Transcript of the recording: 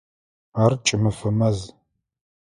Ар кӏымэфэ маз.